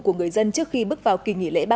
của người dân trước khi bước vào kỳ nghỉ lễ